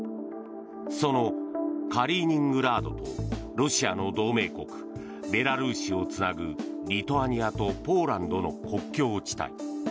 そのカリーニングラードとロシアの同盟国ベラルーシをつなぐリトアニアとポーランドの国境地帯。